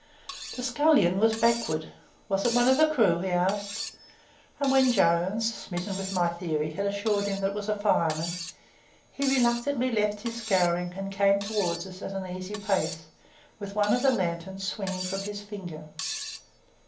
The scullion was backward. 'Was it one of the crew?' he asked. And when Jones, smitten with my theory, had assured him that it was a fireman, he reluctantly left his scouring and came towards us at an easy pace, with one of the lanterns swinging from his finger.